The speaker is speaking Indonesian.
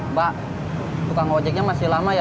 mbak tukang ojeknya masih lama ya